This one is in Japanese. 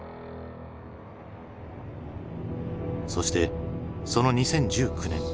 そしてその２０１９年。